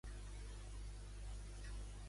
Jesús podria haver estat també descendent seu?